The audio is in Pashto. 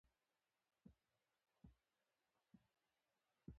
نن مې د کور زاړه کاغذونه جلا کړل.